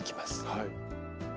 はい。